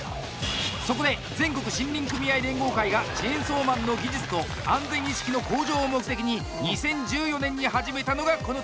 そこで全国森林組合連合会がチェーンソーマンの技術と安全意識の向上を目的に２０１４年に始めたのがこの大会。